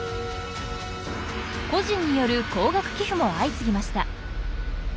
個人による高額寄付も相次ぎました。